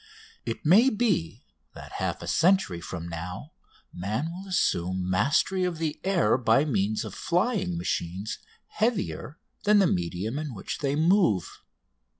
It may be that half a century from now man will assume mastery of the air by means of flying machines heavier than the medium in which they move.